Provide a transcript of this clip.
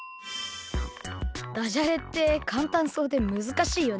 ダジャレってかんたんそうでむずかしいよね。